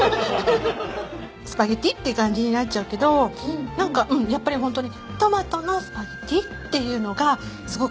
スパゲティっていう感じになっちゃうけどなんかやっぱりホントにトマトのスパゲティっていうのがすごくよくわかる。